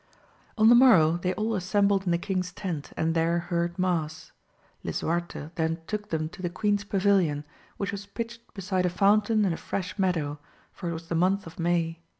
On the morrow they all assembled in the king's tent and there heard mass. lisuarte then took them to the queen's pavilion, which was pitched beside a fountain in a fresh meadow, for it w«s the month of May.